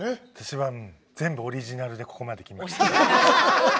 私は全部オリジナルでここまできました。